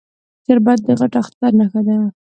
شربت د غټ اختر نښه ده